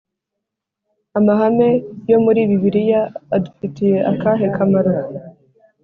Amahame yo muri Bibiliya adufitiye akahe kamaro?